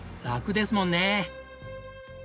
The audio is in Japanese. ラクですもんね！